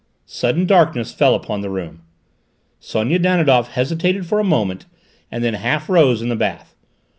Sudden darkness fell upon the room. Sonia Danidoff hesitated for a moment and then half rose in the bath.